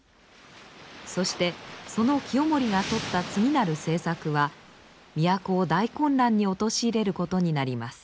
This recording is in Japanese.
そしてその清盛がとった次なる政策は都を大混乱に陥れることになります。